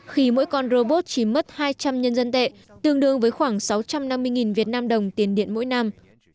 khi mỗi con robot chỉ mất hai trăm linh nhân dân tệ tương đương với khoảng sáu trăm năm mươi vnđ tiền điện mỗi năm